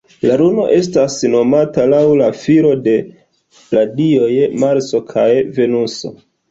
La luno estas nomata laŭ la filo de la dioj Marso kaj Venuso.